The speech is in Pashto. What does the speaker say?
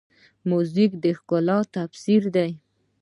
موزیک د ښکلا تفسیر دی.